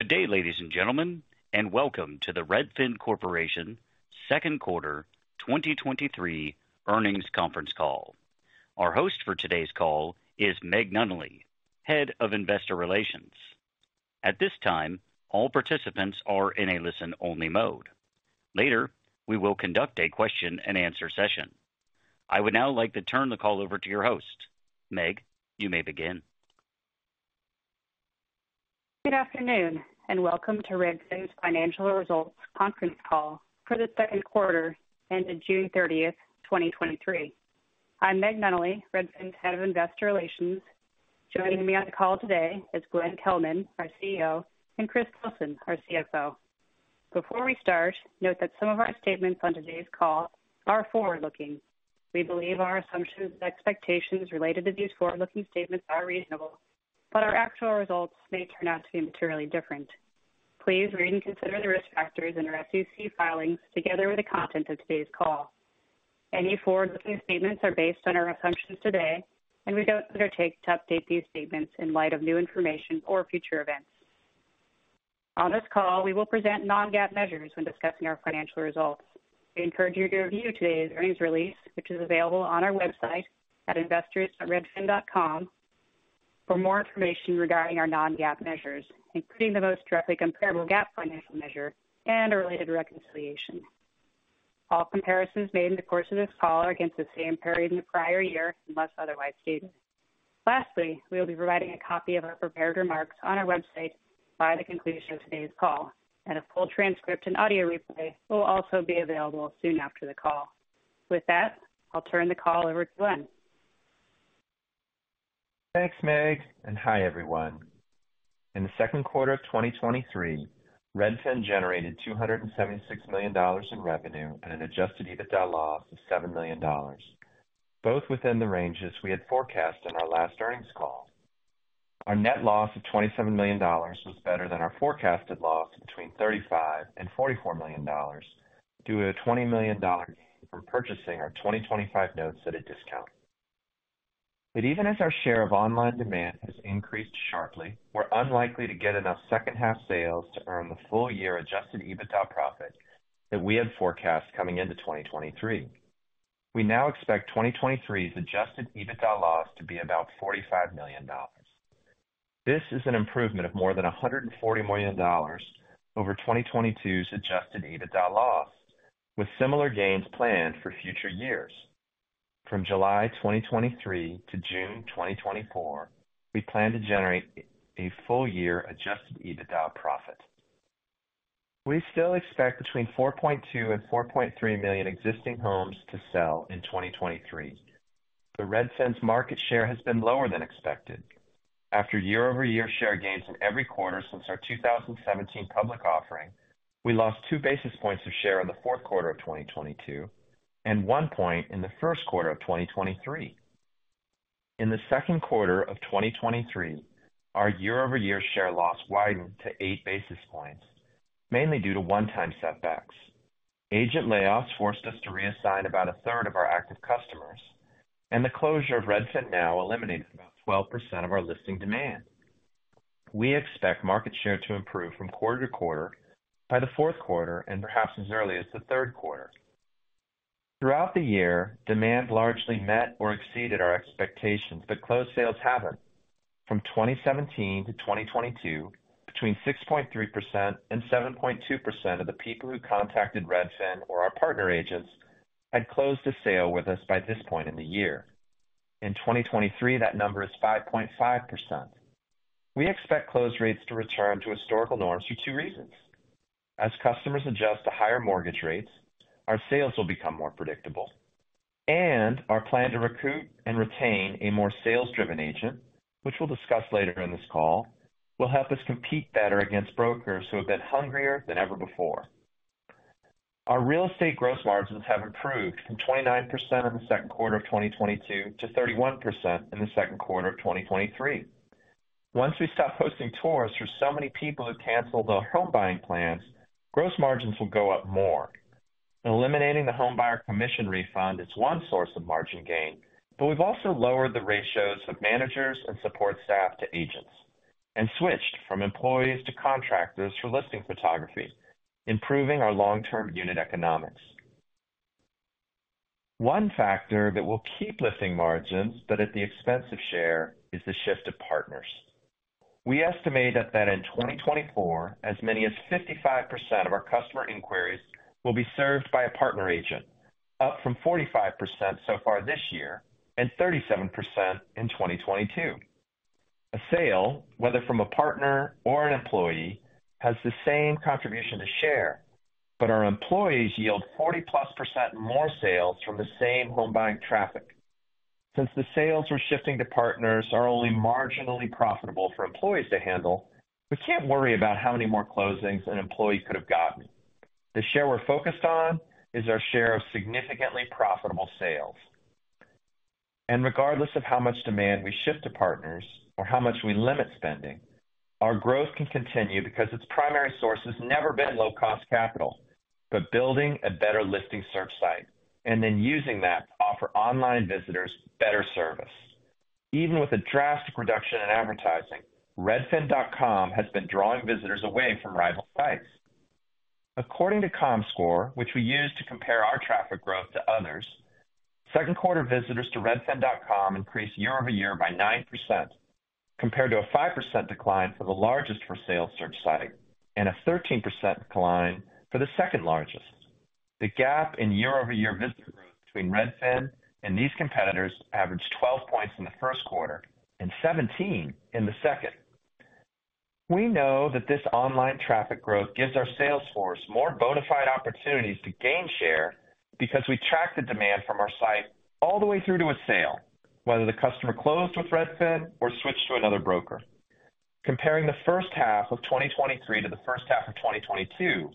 Good day, ladies and gentlemen, and welcome to the Redfin Corporation Q2 2023 Earnings Conference Call. Our host for today's call is Meg Nunnally, Head of Investor Relations. At this time, all participants are in a listen-only mode. Later, we will conduct a question-and-answer session. I would now like to turn the call over to your host. Meg, you may begin. Good afternoon, welcome to Redfin's Financial Results conference call for the Q2 ending June 30th, 2023. I'm Meg Nunnally, Redfin's Head of Investor Relations. Joining me on the call today is Glenn Kelman, our CEO, and Chris Nielsen, our CFO. Before we start, note that some of our statements on today's call are forward-looking. We believe our assumptions and expectations related to these forward-looking statements are reasonable, but our actual results may turn out to be materially different. Please read and consider the risk factors in our SEC filings, together with the content of today's call. Any forward-looking statements are based on our assumptions today, and we don't undertake to update these statements in light of new information or future events. On this call, we will present non-GAAP measures when discussing our financial results. We encourage you to review today's earnings release, which is available on our website at investors.redfin.com, for more information regarding our non-GAAP measures, including the most directly comparable GAAP financial measure and a related reconciliation. All comparisons made in the course of this call are against the same period in the prior year, unless otherwise stated. Lastly, we will be providing a copy of our prepared remarks on our website by the conclusion of today's call, and a full transcript and audio replay will also be available soon after the call. With that, I'll turn the call over to Glenn. Thanks, Meg. Hi, everyone. In the Q2 of 2023, Redfin generated $276 million in revenue and an adjusted EBITDA loss of $7 million, both within the ranges we had forecast in our last earnings call. Our net loss of $27 million was better than our forecasted loss of between $35 million and $44 million, due to a $20 million gain from purchasing our 2025 notes at a discount. Even as our share of online demand has increased sharply, we're unlikely to get enough H2 sales to earn the full year adjusted EBITDA profit that we had forecast coming into 2023. We now expect 2023's adjusted EBITDA loss to be about $45 million. This is an improvement of more than $140 million over 2022's adjusted EBITDA loss, with similar gains planned for future years. From July 2023 to June 2024, we plan to generate a full year adjusted EBITDA profit. We still expect between 4.2 million and 4.3 million existing homes to sell in 2023, Redfin's market share has been lower than expected. After year-over-year share gains in every quarter since our 2017 public offering, we lost 2 basis points of share in the Q4 of 2022 and 1 point in the Q1 of 2023. In the Q2 of 2023, our year-over-year share loss widened to 8 basis points, mainly due to one-time setbacks. Agent layoffs forced us to reassign about a third of our active customers. The closure of RedfinNow eliminated about 12% of our listing demand. We expect market share to improve from quarter to quarter by the Q4, and perhaps as early as the Q3. Throughout the year, demand largely met or exceeded our expectations. Closed sales haven't. From 2017 to 2022, between 6.3% and 7.2% of the people who contacted Redfin or our partner agents had closed a sale with us by this point in the year. In 2023, that number is 5.5%. We expect close rates to return to historical norms for two reasons. As customers adjust to higher mortgage rates, our sales will become more predictable, and our plan to recruit and retain a more sales-driven agent, which we'll discuss later in this call, will help us compete better against brokers who have been hungrier than ever before. Our real estate gross margins have improved from 29% in the Q2 of 2022 to 31% in the Q2 of 2023. Once we stop hosting tours for so many people who canceled their home buying plans, gross margins will go up more. Eliminating the commission refund is one source of margin gain, but we've also lowered the ratios of managers and support staff to agents and switched from employees to contractors for listing photography, improving our long-term unit economics. One factor that will keep lifting margins, but at the expense of share, is the shift to partners. We estimate that in 2024, as many as 55% of our customer inquiries will be served by a partner agent, up from 45% so far this year and 37% in 2022. A sale, whether from a partner or an employee, has the same contribution to share, but our employees yield 40%+ more sales from the same home buying traffic. Since the sales we're shifting to partners are only marginally profitable for employees to handle, we can't worry about how many more closings an employee could have gotten. The share we're focused on is our share of significantly profitable sales. Regardless of how much demand we shift to partners or how much we limit spending, our growth can continue because its primary source has never been low-cost capital, but building a better listing search site and then using that to offer online visitors better service.... Even with a drastic reduction in advertising, redfin.com has been drawing visitors away from rival sites. According to Comscore, which we use to compare our traffic growth to others, Q2 visitors to redfin.com increased year-over-year by 9%, compared to a 5% decline for the largest for-sale search site, and a 13% decline for the second largest. The gap in year-over-year visitor growth between Redfin and these competitors averaged 12 points in the Q1 and 17 in the second. We know that this online traffic growth gives our sales force more bona fide opportunities to gain share, because we track the demand from our site all the way through to a sale, whether the customer closed with Redfin or switched to another broker. Comparing the H1 of 2023 to the H1 of 2022,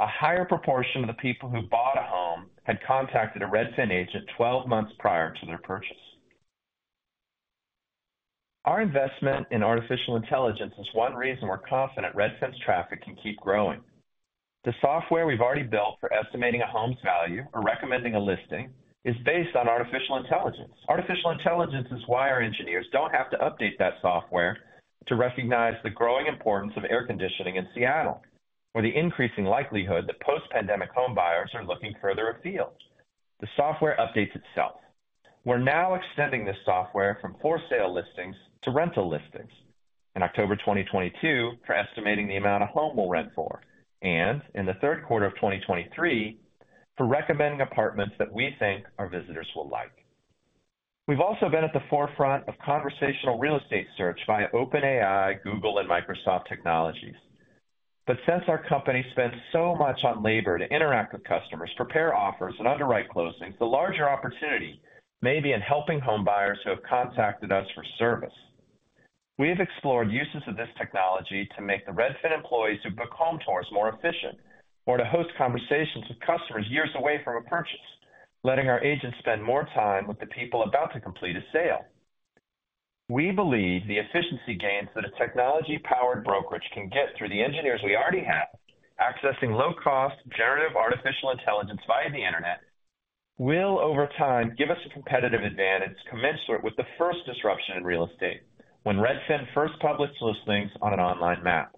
a higher proportion of the people who bought a home had contacted a Redfin agent 12 months prior to their purchase. Our investment in artificial intelligence is one reason we're confident Redfin's traffic can keep growing. The software we've already built for estimating a home's value or recommending a listing is based on artificial intelligence. Artificial intelligence is why our engineers don't have to update that software to recognize the growing importance of air conditioning in Seattle, or the increasing likelihood that post-pandemic home buyers are looking further afield. The software updates itself. We're now extending this software from for-sale listings to rental listings. In October 2022, for estimating the amount a home will rent for, and in the Q3 of 2023, for recommending apartments that we think our visitors will like. We've also been at the forefront of conversational real estate search via OpenAI, Google, and Microsoft technologies. Since our company spends so much on labor to interact with customers, prepare offers, and underwrite closings, the larger opportunity may be in helping home buyers who have contacted us for service. We have explored uses of this technology to make the Redfin employees who book home tours more efficient, or to host conversations with customers years away from a purchase, letting our agents spend more time with the people about to complete a sale. We believe the efficiency gains that a technology-powered brokerage can get through the engineers we already have, accessing low-cost, generative artificial intelligence via the internet, will, over time, give us a competitive advantage commensurate with the first disruption in real estate when Redfin first published listings on an online map.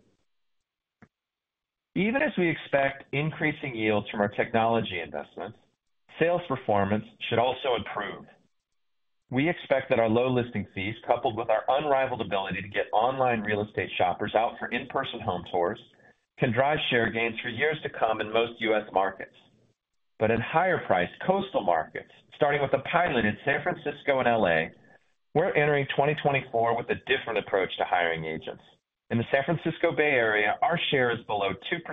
Even as we expect increasing yields from our technology investments, sales performance should also improve. We expect that our low listing fees, coupled with our unrivaled ability to get online real estate shoppers out for in-person home tours, can drive share gains for years to come in most U.S. markets. In higher priced coastal markets, starting with a pilot in San Francisco and L.A., we're entering 2024 with a different approach to hiring agents. In the San Francisco Bay Area, our share is below 2%,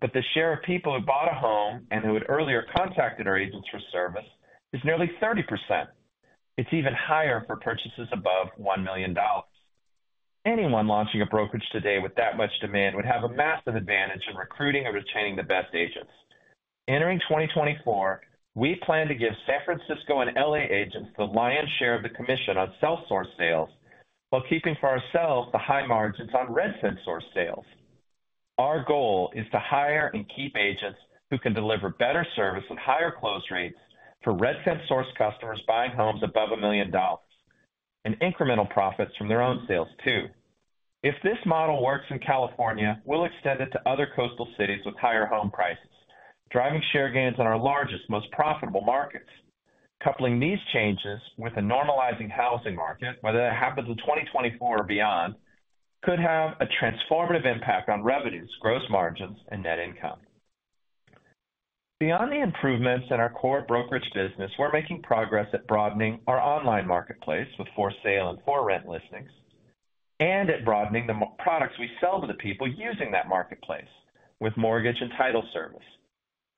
The share of people who bought a home and who had earlier contacted our agents for service is nearly 30%. It's even higher for purchases above $1 million. Anyone launching a brokerage today with that much demand would have a massive advantage in recruiting and retaining the best agents. Entering 2024, we plan to give San Francisco and L.A. agents the lion's share of the commission on self-source sales, while keeping for ourselves the high margins on Redfin source sales. Our goal is to hire and keep agents who can deliver better service with higher close rates for Redfin source customers buying homes above $1 million, and incremental profits from their own sales, too. If this model works in California, we'll extend it to other coastal cities with higher home prices, driving share gains in our largest, most profitable markets. Coupling these changes with a normalizing housing market, whether that happens in 2024 or beyond, could have a transformative impact on revenues, gross margins, and net income. Beyond the improvements in our core brokerage business, we're making progress at broadening our online marketplace with for-sale and for-rent listings, and at broadening the products we sell to the people using that marketplace with mortgage and title service.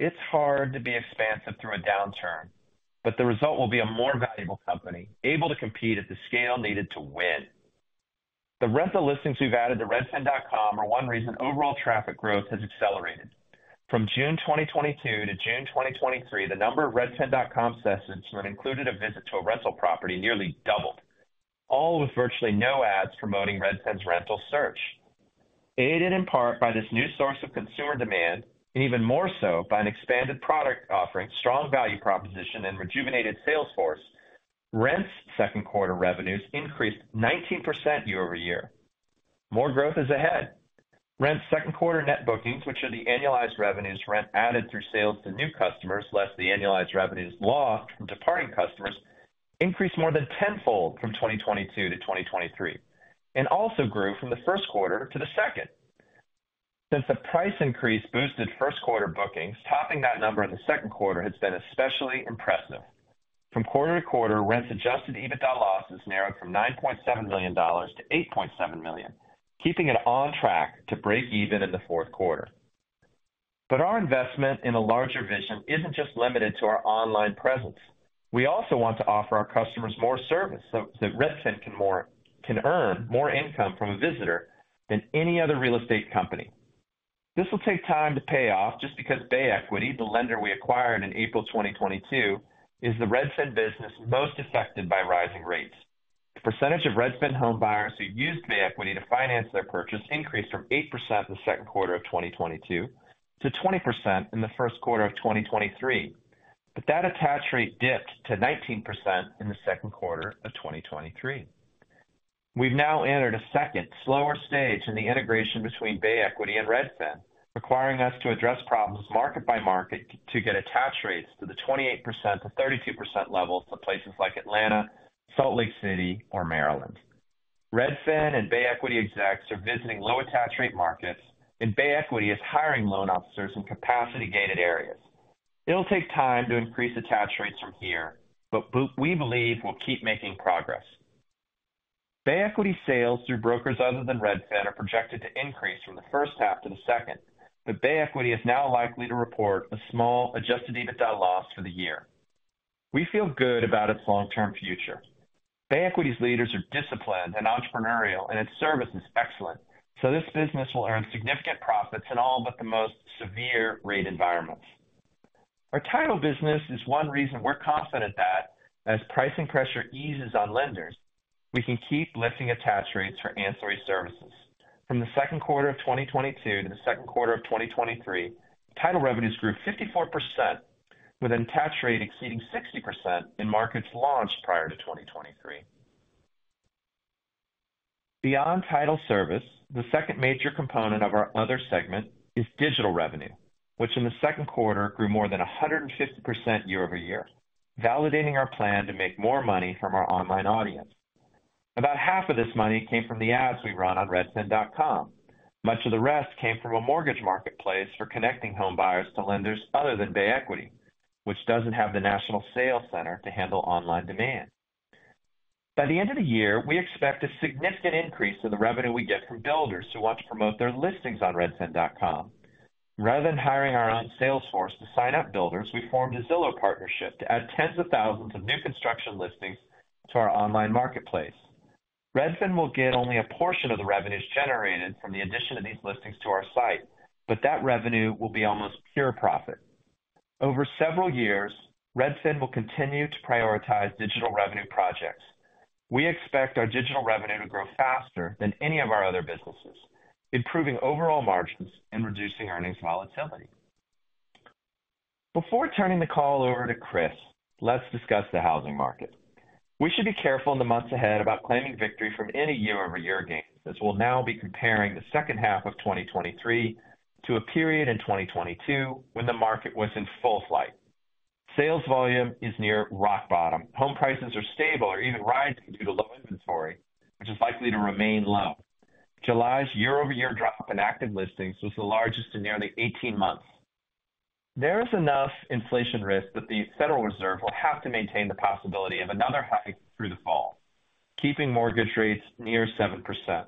It's hard to be expansive through a downturn, but the result will be a more valuable company, able to compete at the scale needed to win. The rental listings we've added to redfin.com are one reason overall traffic growth has accelerated. From June 2022 to June 2023, the number of redfin.com sessions that included a visit to a rental property nearly doubled, all with virtually no ads promoting Redfin's rental search. Aided in part by this new source of consumer demand, and even more so by an expanded product offering, strong value proposition, and rejuvenated sales force, Rent's Q2 revenues increased 19% year-over-year. More growth is ahead. Rent's Q2 net bookings, which are the annualized revenues rent added through sales to new customers, less the annualized revenues lost from departing customers, increased more than tenfold from 2022 to 2023, and also grew from the Q1 to the Q2. Since the price increase boosted Q1 bookings, topping that number in the Q2 has been especially impressive. From quarter to quarter, Rent.'s Adjusted EBITDA losses narrowed from $9.7 million to $8.7 million, keeping it on track to break even in the Q4. Our investment in a larger vision isn't just limited to our online presence. We also want to offer our customers more service so that Redfin can earn more income from a visitor than any other real estate company. This will take time to pay off just because Bay Equity, the lender we acquired in April 2022, is the Redfin business most affected by rising rates. The percentage of Redfin home buyers who used Bay Equity to finance their purchase increased from 8% in the Q2 of 2022 to 20% in the Q1 of 2023. That attach rate dipped to 19% in the Q2 of 2023. We've now entered a second slower stage in the integration between Bay Equity and Redfin, requiring us to address problems market by market to get attach rates to the 28%-32% levels to places like Atlanta, Salt Lake City, or Maryland. Redfin and Bay Equity execs are visiting low attach rate markets, and Bay Equity is hiring loan officers in capacity-gated areas. It'll take time to increase attach rates from here, we believe we'll keep making progress. Bay Equity sales through brokers other than Redfin are projected to increase from the H1 to the second, Bay Equity is now likely to report a small adjusted EBITDA loss for the year. We feel good about its long-term future. Bay Equity's leaders are disciplined and entrepreneurial, and its service is excellent, this business will earn significant profits in all but the most severe rate environments. Our title business is one reason we're confident that as pricing pressure eases on lenders, we can keep lifting attach rates for ancillary services. From the Q2 of 2022 to the Q2 of 2023, title revenues grew 54%, with an attach rate exceeding 60% in markets launched prior to 2023. Beyond title service, the second major component of our other segment is digital revenue, which in the Q2 grew more than 150% year-over-year, validating our plan to make more money from our online audience. About half of this money came from the ads we run on redfin.com. Much of the rest came from a mortgage marketplace for connecting home buyers to lenders other than Bay Equity, which doesn't have the national sales center to handle online demand. By the end of the year, we expect a significant increase to the revenue we get from builders who want to promote their listings on redfin.com. Rather than hiring our own sales force to sign up builders, we formed a Zillow partnership to add tens of thousands of new construction listings to our online marketplace. Redfin will get only a portion of the revenues generated from the addition of these listings to our site, but that revenue will be almost pure profit. Over several years, Redfin will continue to prioritize digital revenue projects. We expect our digital revenue to grow faster than any of our other businesses, improving overall margins and reducing earnings volatility. Before turning the call over to Chris, let's discuss the housing market. We should be careful in the months ahead about claiming victory from any year-over-year gain, as we'll now be comparing the H2 of 2023 to a period in 2022, when the market was in full flight. Sales volume is near rock bottom. Home prices are stable or even rising due to low inventory, which is likely to remain low. July's year-over-year drop in active listings was the largest in nearly 18 months. There is enough inflation risk that the Federal Reserve will have to maintain the possibility of another hike through the fall, keeping mortgage rates near 7%.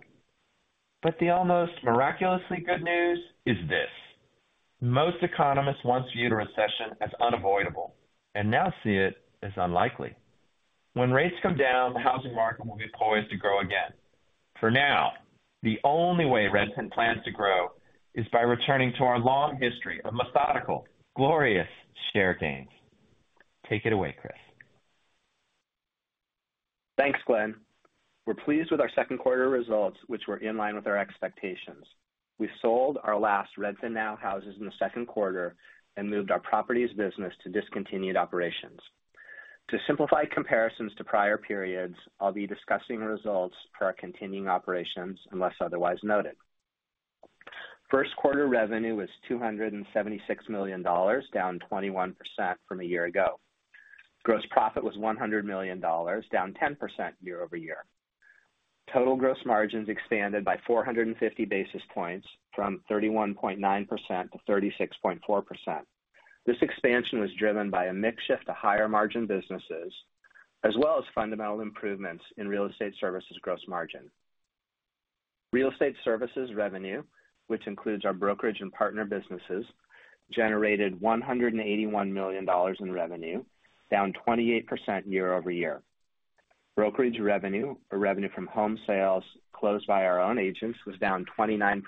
The almost miraculously good news is this: most economists once viewed a recession as unavoidable and now see it as unlikely. When rates come down, the housing market will be poised to grow again. For now, the only way Redfin plans to grow is by returning to our long history of methodical, glorious share gains. Take it away, Chris. Thanks, Glenn. We're pleased with our Q2 results, which were in line with our expectations. We sold our last RedfinNow houses in the Q2 and moved our properties business to discontinued operations. To simplify comparisons to prior periods, I'll be discussing results per our continuing operations, unless otherwise noted. First quarter revenue was $276 million, down 21% from a year ago. Gross profit was $100 million, down 10% year-over-year. Total gross margins expanded by 450 basis points from 31.9%-36.4%. This expansion was driven by a mix shift to higher margin businesses, as well as fundamental improvements in real estate services gross margin. Real estate services revenue, which includes our brokerage and partner businesses, generated $181 million in revenue, down 28% year-over-year. Brokerage revenue, or revenue from home sales closed by our own agents, was down 29%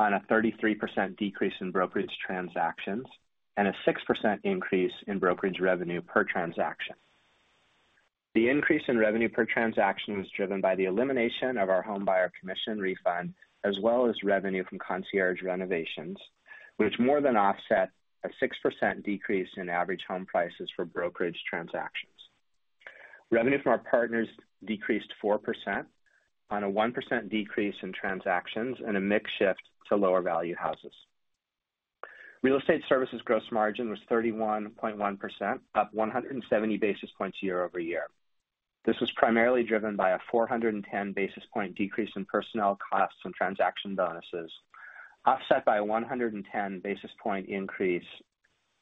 on a 33% decrease in brokerage transactions, and a 6% increase in brokerage revenue per transaction. The increase in revenue per transaction was driven by the elimination of our home buyer commission refund, as well as revenue from concierge renovations, which more than offset a 6% decrease in average home prices for brokerage transactions. Revenue from our partners decreased 4% on a 1% decrease in transactions and a mix shift to lower value houses. Real estate services gross margin was 31.1%, up 170 basis points year-over-year. This was primarily driven by a 410 basis point decrease in personnel costs and transaction bonuses, offset by a 110 basis point increase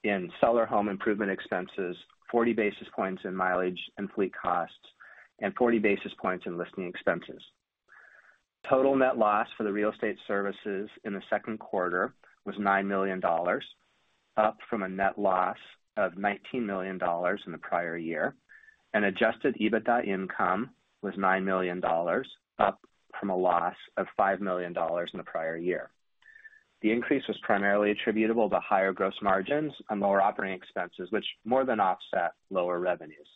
in seller home improvement expenses, 40 basis points in mileage and fleet costs, and 40 basis points in listing expenses. Total net loss for the real estate services in the Q2 was $9 million, up from a net loss of $19 million in the prior year, and adjusted EBITDA income was $9 million, up from a loss of $5 million in the prior year. The increase was primarily attributable to higher gross margins and lower operating expenses, which more than offset lower revenues.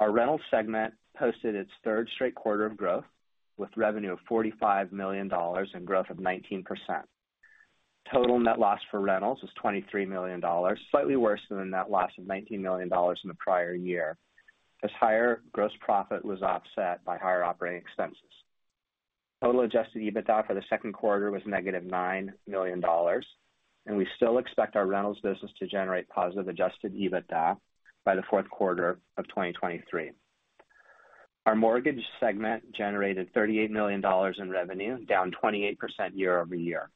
Our rental segment posted its third straight quarter of growth, with revenue of $45 million and growth of 19%. Total net loss for rentals was $23 million, slightly worse than the net loss of $19 million in the prior year, as higher gross profit was offset by higher operating expenses. Total adjusted EBITDA for the Q2 was -$9 million, we still expect our rentals business to generate positive adjusted EBITDA by the Q4 of 2023. Our mortgage segment generated $38 million in revenue, down 28% year-over-year.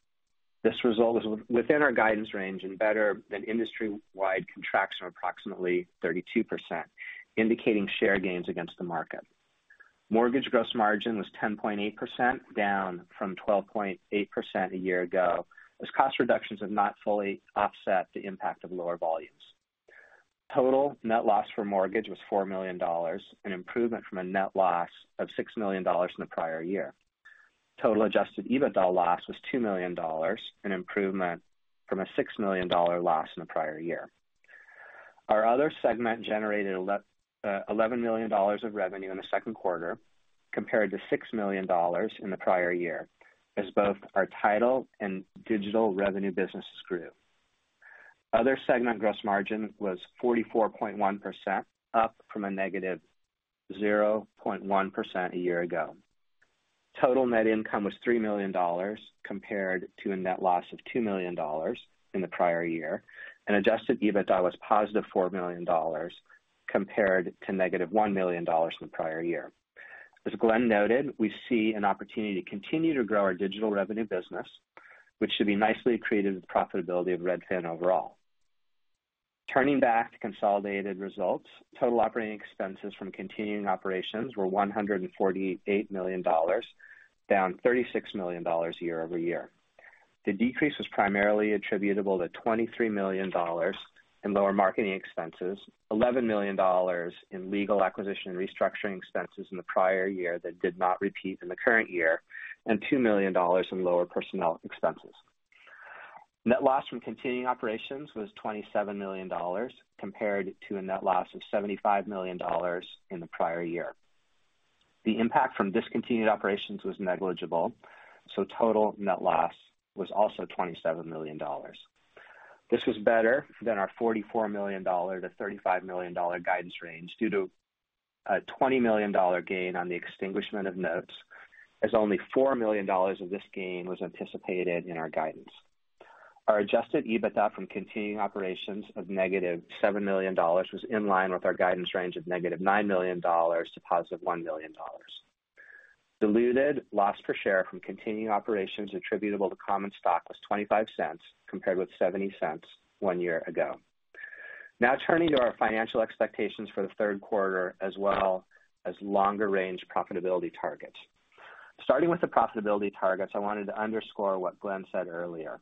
This result is within our guidance range and better than industry-wide contraction of approximately 32%, indicating share gains against the market. Mortgage gross margin was 10.8%, down from 12.8% a year ago, as cost reductions have not fully offset the impact of lower volumes. Total net loss for mortgage was $4 million, an improvement from a net loss of $6 million in the prior year. Total adjusted EBITDA loss was $2 million, an improvement from a $6 million loss in the prior year. Our other segment generated $11 million of revenue in the Q2 compared to $6 million in the prior year, as both our title and digital revenue businesses grew. Other segment gross margin was 44.1%, up from a negative 0.1% a year ago. Total net income was $3 million compared to a net loss of $2 million in the prior year. Adjusted EBITDA was positive $4 million compared to negative $1 million in the prior year. As Glenn noted, we see an opportunity to continue to grow our digital revenue business, which should be nicely accretive to the profitability of Redfin overall. Turning back to consolidated results, total operating expenses from continuing operations were $148 million, down $36 million year-over-year. The decrease was primarily attributable to $23 million in lower marketing expenses, $11 million in legal acquisition and restructuring expenses in the prior year that did not repeat in the current year, and $2 million in lower personnel expenses. Net loss from continuing operations was $27 million, compared to a net loss of $75 million in the prior year. The impact from discontinued operations was negligible, total net loss was also $27 million. This was better than our $44 million to $35 million guidance range, due to a $20 million gain on the extinguishment of notes, as only $4 million of this gain was anticipated in our guidance. Our adjusted EBITDA from continuing operations of -$7 million was in line with our guidance range of -$9 million to +$1 million. Diluted loss per share from continuing operations attributable to common stock was $0.25, compared with $0.70 one year ago. Turning to our financial expectations for the Q3 as well as longer-range profitability targets. Starting with the profitability targets, I wanted to underscore what Glenn said earlier.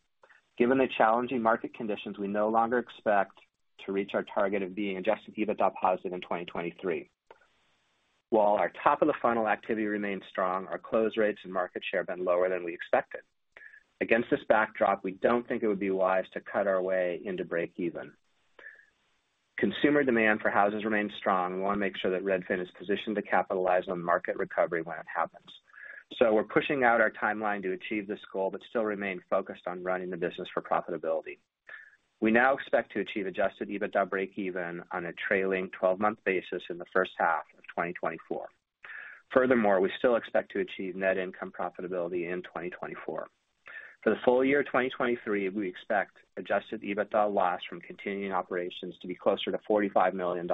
Given the challenging market conditions, we no longer expect to reach our target of being adjusted EBITDA positive in 2023. While our top-of-the-funnel activity remains strong, our close rates and market share have been lower than we expected. Against this backdrop, we don't think it would be wise to cut our way into breakeven. Consumer demand for houses remains strong. We want to make sure that Redfin is positioned to capitalize on market recovery when it happens. We're pushing out our timeline to achieve this goal, but still remain focused on running the business for profitability. We now expect to achieve adjusted EBITDA breakeven on a trailing twelve-month basis in the H1 of 2024. Furthermore, we still expect to achieve net income profitability in 2024. For the full year of 2023, we expect adjusted EBITDA loss from continuing operations to be closer to $45 million,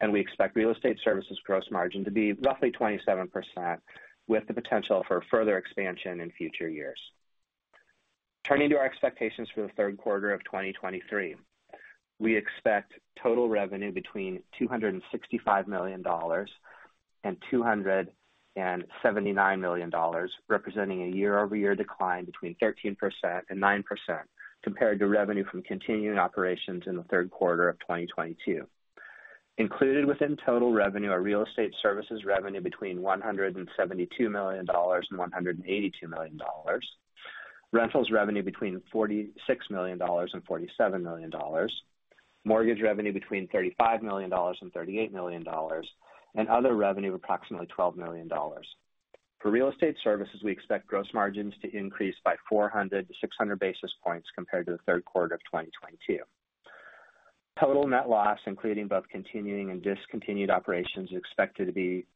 and we expect real estate services gross margin to be roughly 27%, with the potential for further expansion in future years. Turning to our expectations for the Q3 of 2023, we expect total revenue between $265 million and $279 million, representing a year-over-year decline between 13%-9%, compared to revenue from continuing operations in the Q3 of 2022. Included within total revenue are real estate services revenue between $172 million and $182 million, rentals revenue between $46 million and $47 million, mortgage revenue between $35 million and $38 million, and other revenue, approximately $12 million. For real estate services, we expect gross margins to increase by 400 to 600 basis points compared to the Q3 of 2022. Total net loss, including both continuing and discontinued operations, is expected to be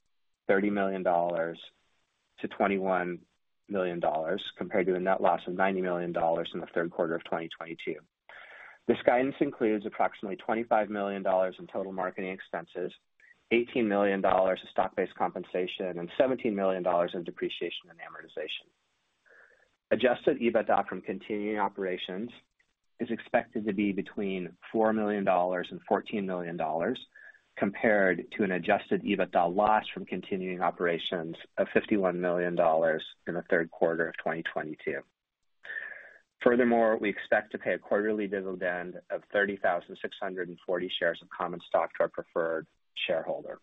$30 million to $21 million, compared to a net loss of $90 million in the Q3 of 2022. This guidance includes approximately $25 million in total marketing expenses, $18 million in stock-based compensation, and $17 million in depreciation and amortization. Adjusted EBITDA from continuing operations is expected to be between $4 million and $14 million, compared to an adjusted EBITDA loss from continuing operations of $51 million in the Q3 of 2022. Furthermore, we expect to pay a quarterly dividend of 30,640 shares of common stock to our preferred shareholders....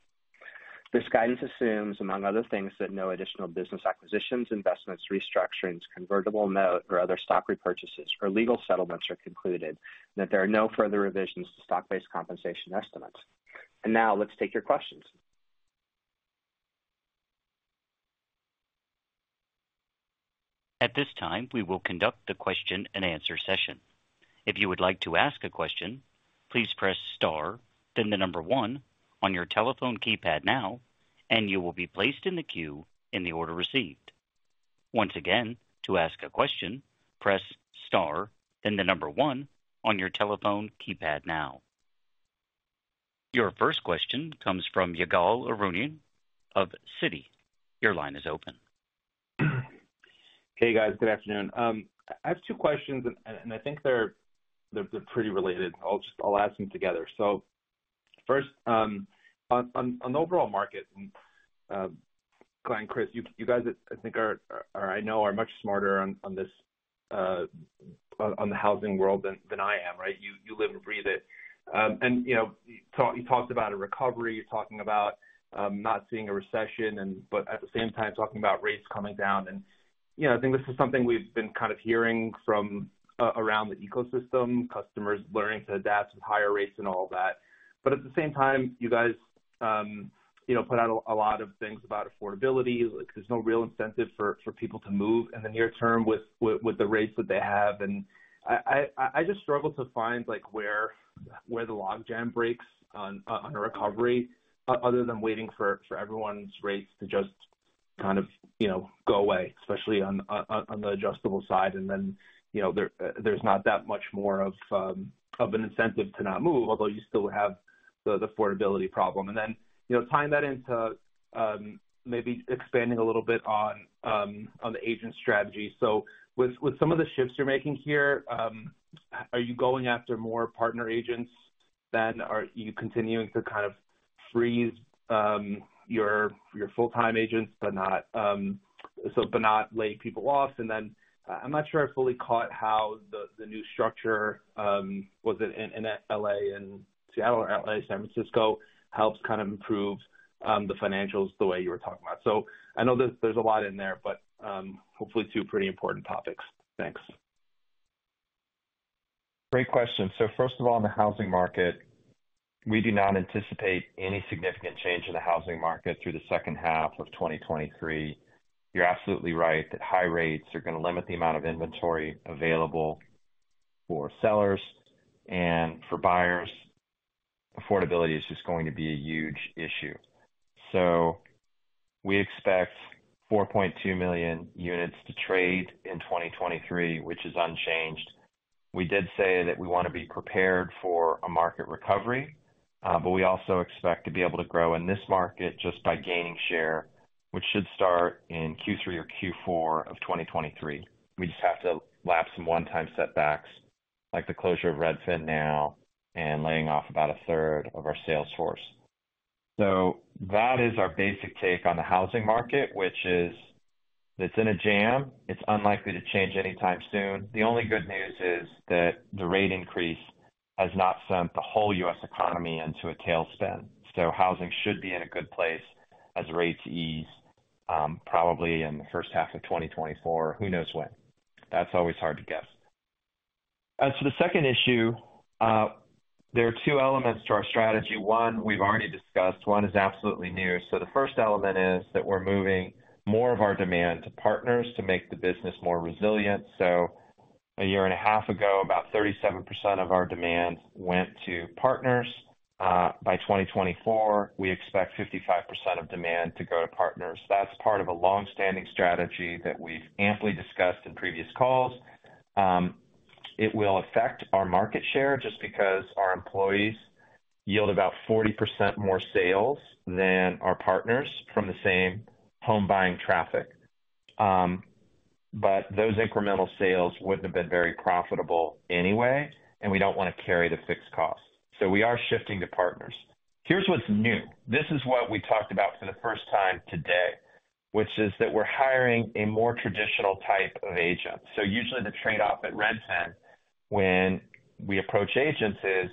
This guidance assumes, among other things, that no additional business acquisitions, investments, restructurings, convertible note or other stock repurchases or legal settlements are concluded, and that there are no further revisions to stock-based compensation estimates. Now let's take your questions. At this time, we will conduct the question-and-answer session. If you would like to ask a question, please press star, then the number one on your telephone keypad now, and you will be placed in the queue in the order received. Once again, to ask a question, press star, then the number one on your telephone keypad now. Your first question comes from Ygal Arounian of Citi. Your line is open. Hey, guys, good afternoon. I have two questions, and I think they're, they're, they're pretty related. I'll ask them together. First, on, on the overall market, Glenn, Chris, you, you guys, I think are, are, I know, are much smarter on, on this, on, on the housing world than, than I am, right? You, you live and breathe it. You know, you talked, you talked about a recovery. You're talking about not seeing a recession, at the same time talking about rates coming down. You know, I think this is something we've been kind of hearing from around the ecosystem, customers learning to adapt to higher rates and all that. At the same time, you guys, you know, put out a lot of things about affordability. There's no real incentive for, for people to move in the near term with, with, with the rates that they have. I, I, I just struggle to find, like, where, where the logjam breaks on, on a recovery other than waiting for, for everyone's rates to just kind of, you know, go away, especially on, on, on the adjustable side. Then, you know, there, there's not that much more of an incentive to not move, although you still have the, the affordability problem. Then, you know, tying that into, maybe expanding a little bit on the agent strategy. With, with some of the shifts you're making here, are you going after more partner agents than are you continuing to kind of freeze, your, your full-time agents, but not laying people off? I'm not sure I fully caught how the new structure, was it in LA and Seattle or LA, San Francisco, helps kind of improve the financials the way you were talking about? I know there's there's a lot in there, but hopefully two pretty important topics. Thanks. Great question. First of all, on the housing market, we do not anticipate any significant change in the housing market through the H2 of 2023. You're absolutely right that high rates are going to limit the amount of inventory available for sellers and for buyers. Affordability is just going to be a huge issue. We expect 4.2 million units to trade in 2023, which is unchanged. We did say that we want to be prepared for a market recovery, but we also expect to be able to grow in this market just by gaining share, which should start in Q3 or Q4 of 2023. We just have to lap some one-time setbacks, like the closure of RedfinNow and laying off about a third of our sales force. That is our basic take on the housing market, which is it's in a jam. It's unlikely to change anytime soon. The only good news is that the rate increase has not sent the whole U.S. economy into a tailspin. Housing should be in a good place as rates ease, probably in the H1 of 2024. Who knows when? That's always hard to guess. As for the second issue, there are two elements to our strategy. One we've already discussed. One is absolutely new. The first element is that we're moving more of our demand to partners to make the business more resilient. A year and a half ago, about 37% of our demand went to partners. By 2024, we expect 55% of demand to go to partners. That's part of a long-standing strategy that we've amply discussed in previous calls. It will affect our market share just because our employees yield about 40% more sales than our partners from the same home buying traffic. Those incremental sales wouldn't have been very profitable anyway, and we don't want to carry the fixed cost. We are shifting to partners. Here's what's new. This is what we talked about for the first time today, which is that we're hiring a more traditional type of agent. Usually the trade-off at Redfin when we approach agents is,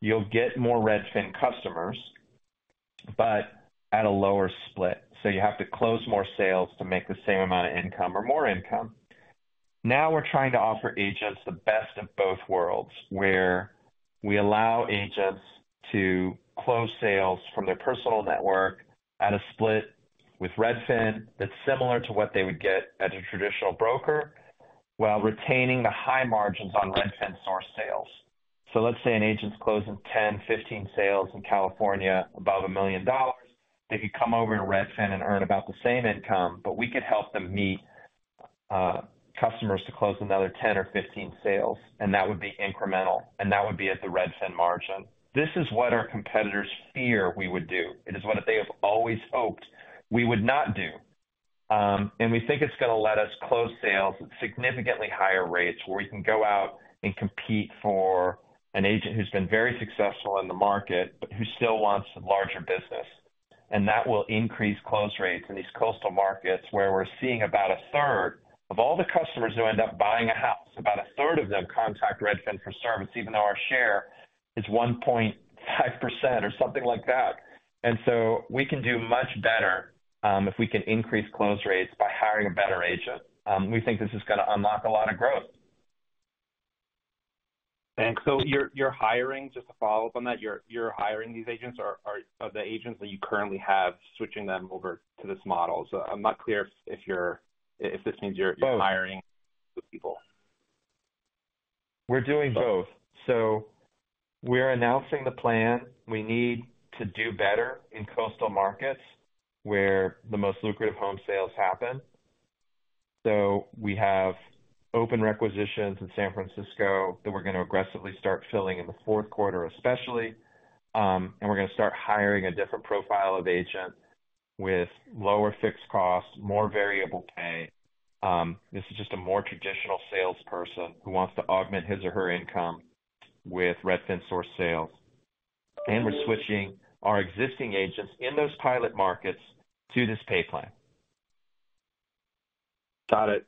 you'll get more Redfin customers, but at a lower split. You have to close more sales to make the same amount of income or more income. Now we're trying to offer agents the best of both worlds, where we allow agents to close sales from their personal network at a split with Redfin that's similar to what they would get at a traditional broker, while retaining the high margins on Redfin source sales. Let's say an agent's closing 10, 15 sales in California above $1 million. They could come over to Redfin and earn about the same income, but we could help them meet customers to close another 10 or 15 sales, and that would be incremental, and that would be at the Redfin margin. This is what our competitors fear we would do. It is what they have always hoped we would not do. We think it's going to let us close sales at significantly higher rates, where we can go out and compete for an agent who's been very successful in the market, but who still wants larger business. That will increase close rates in these coastal markets, where we're seeing about 1/3. Of all the customers who end up buying a house, about 1/3 of them contact Redfin for service, even though our share is 1.5% or something like that. We can do much better, if we can increase close rates by hiring a better agent. We think this is going to unlock a lot of growth. Thanks. You're, you're hiring, just to follow up on that, you're, you're hiring these agents or, or are the agents that you currently have, switching them over to this model? I'm not clear if. Both. hiring new people. We're doing both. We're announcing the plan. We need to do better in coastal markets where the most lucrative home sales happen. We have open requisitions in San Francisco that we're going to aggressively start filling in the Q4, especially, and we're going to start hiring a different profile of agent with lower fixed costs, more variable pay. This is just a more traditional salesperson who wants to augment his or her income with Redfin source sales. We're switching our existing agents in those pilot markets to this pay plan. Got it.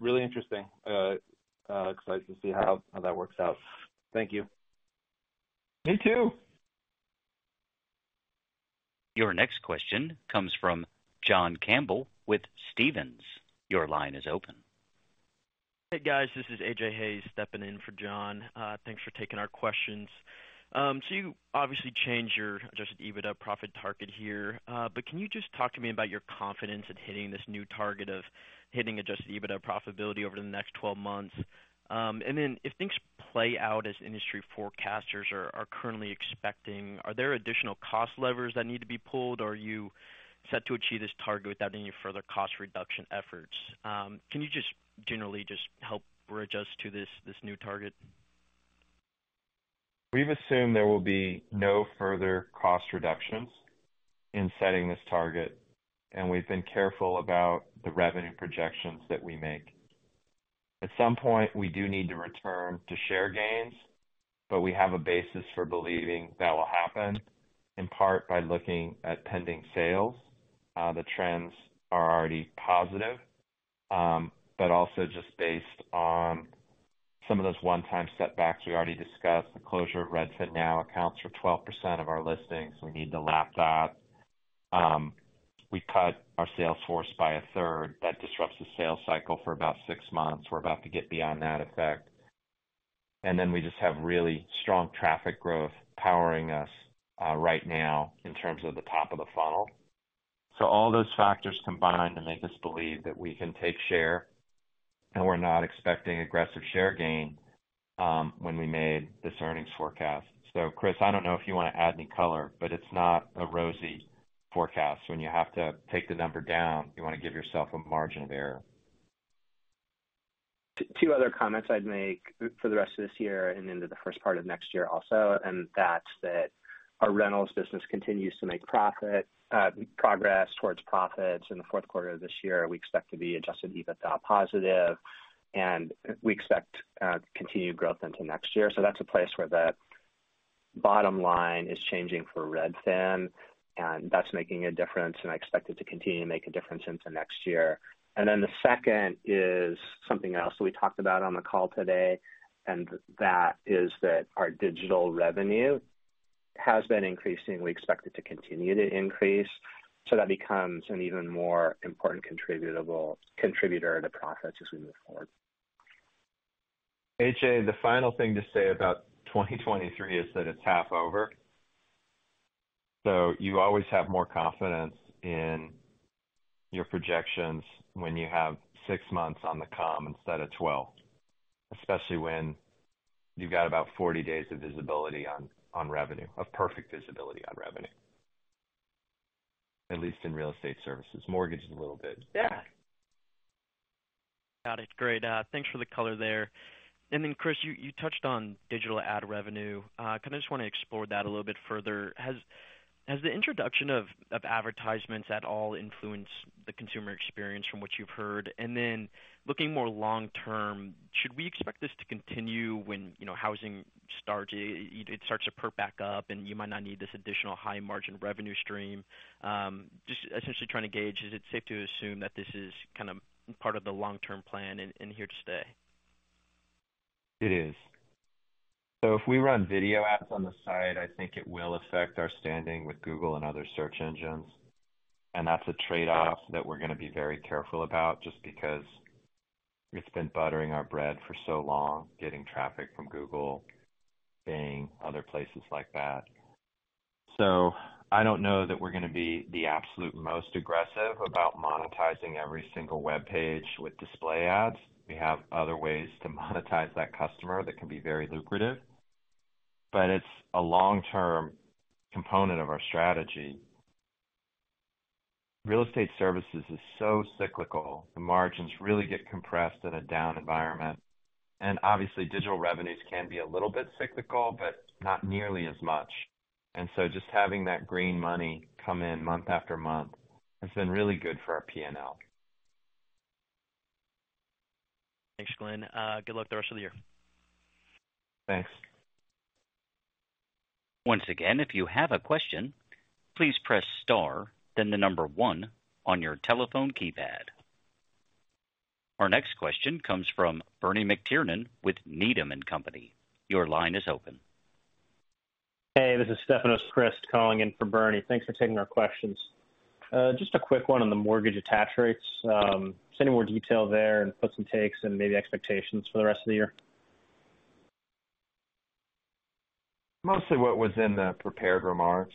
really interesting. excited to see how, how that works out. Thank you. Thank you. Your next question comes from John Campbell with Stephens. Your line is open. Hey, guys, this is AJ Hays stepping in for John. Thanks for taking our questions. You obviously changed your adjusted EBITDA profit target here, but can you just talk to me about your confidence in hitting this new target of hitting adjusted EBITDA profitability over the next 12 months? Then if things play out as industry forecasters are, are currently expecting, are there additional cost levers that need to be pulled, or are you set to achieve this target without any further cost reduction efforts? Can you just generally just help bridge us to this, this new target? We've assumed there will be no further cost reductions in setting this target. We've been careful about the revenue projections that we make. At some point, we do need to return to share gains. We have a basis for believing that will happen, in part by looking at pending sales. The trends are already positive, also just based on some of those one-time setbacks we already discussed. The closure of RedfinNow accounts for 12% of our listings. We need to lap that. We cut our sales force by a third. That disrupts the sales cycle for about six months. We're about to get beyond that effect. We just have really strong traffic growth powering us right now in terms of the top of the funnel. All those factors combine to make us believe that we can take share, and we're not expecting aggressive share gain, when we made this earnings forecast. Chris, I don't know if you want to add any color, but it's not a rosy forecast. When you have to take the number down, you want to give yourself a margin of error. Two other comments I'd make for the rest of this year and into the first part of next year also. Our rentals business continues to make profit, progress towards profits. In the Q4 of this year, we expect to be adjusted EBITDA positive. We expect continued growth into next year. That's a place where the bottom line is changing for Redfin, making a difference. I expect it to continue to make a difference into next year. The second is something else that we talked about on the call today. Our digital revenue has been increasing. We expect it to continue to increase. That becomes an even more important contributor to profits as we move forward. AJ, the final thing to say about 2023 is that it's half over. You always have more confidence in your projections when you have six months on the comm instead of 12, especially when you've got about 40 days of visibility on revenue, of perfect visibility on revenue, at least in real estate services. Mortgage is a little bit. Yeah. Got it. Great. Thanks for the color there. Then, Chris, you, you touched on digital ad revenue. Kind of just want to explore that a little bit further. Has, has the introduction of, of advertisements at all influenced the consumer experience from what you've heard? Then, looking more long term, should we expect this to continue when, you know, housing starts, it, it starts to perk back up and you might not need this additional high-margin revenue stream? Just essentially trying to gauge, is it safe to assume that this is kind of part of the long-term plan and, and here to stay? It is. If we run video ads on the site, I think it will affect our standing with Google and other search engines. That's a trade-off that we're going to be very careful about just because it's been buttering our bread for so long, getting traffic from Google, Bing, other places like that. I don't know that we're going to be the absolute most aggressive about monetizing every single webpage with display ads. We have other ways to monetize that customer that can be very lucrative, but it's a long-term component of our strategy. Real estate services is so cyclical. The margins really get compressed in a down environment. Obviously digital revenues can be a little bit cyclical, but not nearly as much. Just having that green money come in month after month, has been really good for our PNL. Thanks, Glenn. Good luck the rest of the year. Thanks. Once again, if you have a question, please press star, then the number one on your telephone keypad. Our next question comes from Bernie McTernan with Needham and Company. Your line is open. Hey, this is Stefanos Crist calling in for Bernie. Thanks for taking our questions. Just a quick one on the mortgage attach rates, just any more detail there and puts and takes and maybe expectations for the rest of the year? Mostly what was in the prepared remarks.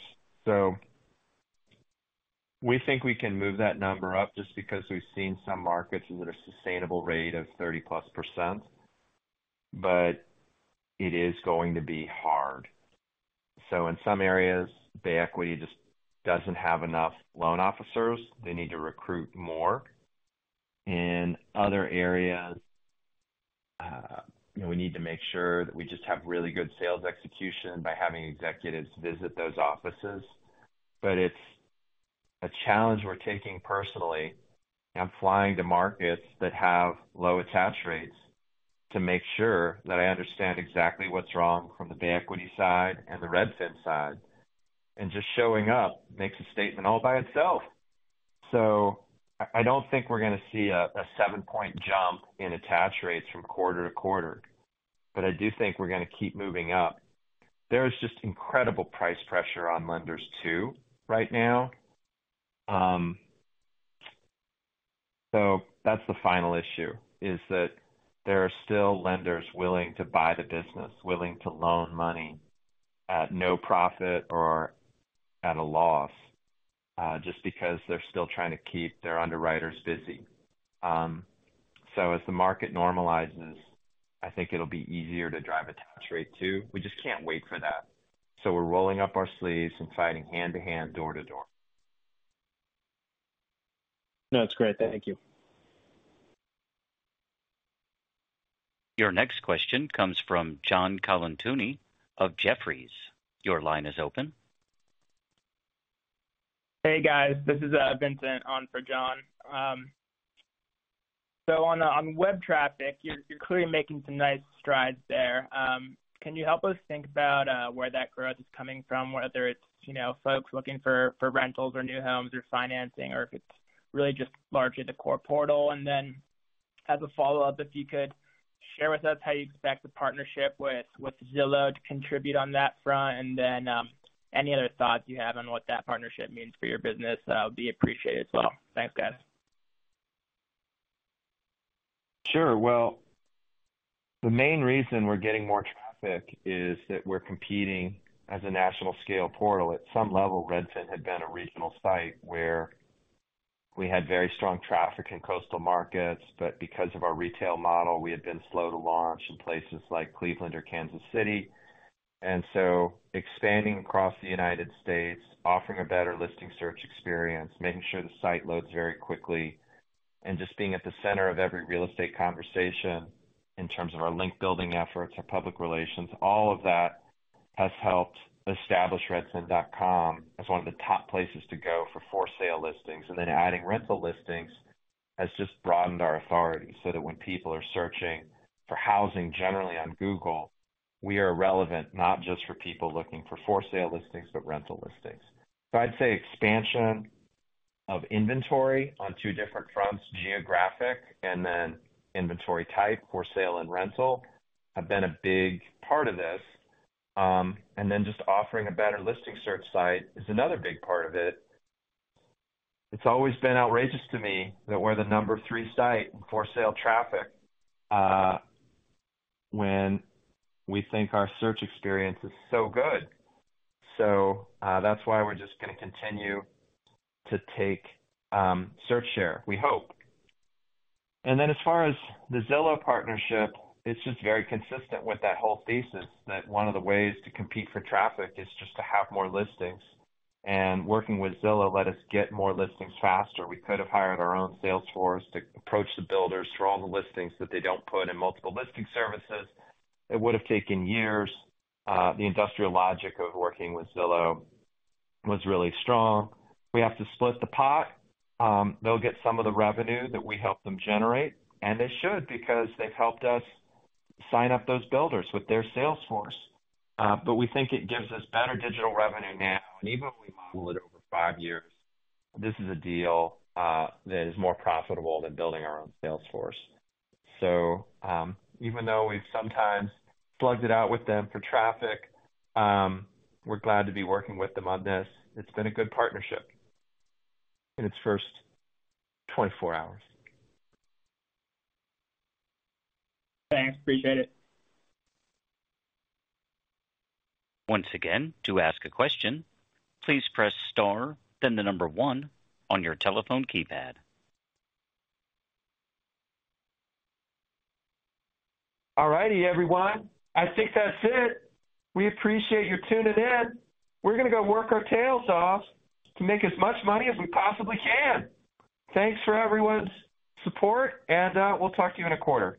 We think we can move that number up just because we've seen some markets with a sustainable rate of 30%+, but it is going to be hard. In some areas, Bay Equity just doesn't have enough loan officers. They need to recruit more. In other areas, we need to make sure that we just have really good sales execution by having executives visit those offices. It's a challenge we're taking personally. I'm flying to markets that have low attach rates to make sure that I understand exactly what's wrong from the Bay Equity side and the Redfin side, and just showing up makes a statement all by itself. I, I don't think we're going to see a, a seven-point jump in attach rates from quarter to quarter, but I do think we're going to keep moving up. There is just incredible price pressure on lenders, too, right now. That's the final issue, is that there are still lenders willing to buy the business, willing to loan money at no profit or at a loss, just because they're still trying to keep their underwriters busy. As the market normalizes, I think it'll be easier to drive attach rate, too. We just can't wait for that. We're rolling up our sleeves and fighting hand to hand, door to door. No, that's great. Thank you. Your next question comes from John Colantuoni of Jefferies. Your line is open. Hey, guys, this is Vincent on for John. On web traffic, you're clearly making some nice strides there. Can you help us think about where that growth is coming from, whether it's, you know, folks looking for rentals or new homes or financing, or if it's really just largely the core portal? As a follow-up, if you could share with us how you expect the partnership with Zillow to contribute on that front, any other thoughts you have on what that partnership means for your business, that would be appreciated as well. Thanks, guys. Sure. Well, the main reason we're getting more traffic is that we're competing as a national-scale portal. At some level, Redfin had been a regional site where we had very strong traffic in coastal markets, but because of our retail model, we had been slow to launch in places like Cleveland or Kansas City. So expanding across the United States, offering a better listing search experience, making sure the site loads very quickly, and just being at the center of every real estate conversation in terms of our link building efforts, our public relations, all of that has helped establish redfin.com as one of the top places to go for for-sale listings. Then adding rental listings has just broadened our authority so that when people are searching for housing generally on Google, we are relevant, not just for people looking for for-sale listings, but rental listings. I'd say expansion of inventory on two different fronts, geographic and then inventory type, for sale and rental, have been a big part of this. And then just offering a better listing search site is another big part of it. It's always been outrageous to me that we're the number three site in for-sale traffic, when we think our search experience is so good. That's why we're just going to continue to take search share, we hope. Then as far as the Zillow partnership, it's just very consistent with that whole thesis that one of the ways to compete for traffic is just to have more listings. Working with Zillow let us get more listings faster. We could have hired our own sales force to approach the builders for all the listings that they don't put in multiple listing services. It would have taken years. The industrial logic of working with Zillow was really strong. We have to split the pot. They'll get some of the revenue that we help them generate, and they should, because they've helped us sign up those builders with their sales force. We think it gives us better digital revenue now, and even if we model it over five years, this is a deal that is more profitable than building our own sales force. Even though we've sometimes plugged it out with them for traffic, we're glad to be working with them on this. It's been a good partnership in its first 24 hours. Thanks, appreciate it. Once again, to ask a question, please press star, then the number one on your telephone keypad. All righty, everyone. I think that's it. We appreciate you tuning in. We're going to go work our tails off to make as much money as we possibly can. Thanks for everyone's support, and we'll talk to you in a quarter.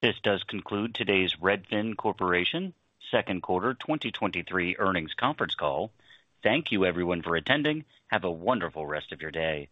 This does conclude today's Redfin Corporation Q2 2023 Earnings Conference Call. Thank you, everyone, for attending. Have a wonderful rest of your day.